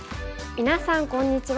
みなさんこんにちは。